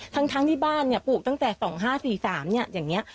ทั้งทั้งที่บ้านเนี่ยปลูกตั้งแต่สองห้าสี่สามเนี่ยอย่างเงี้ย